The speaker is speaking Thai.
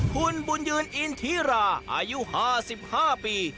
คุณบุญยืนอินทิราอายุ๕๕ปี